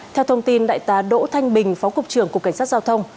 theo thông tin đại tá đỗ thanh bình phó cục trưởng cục cảnh sát giao thông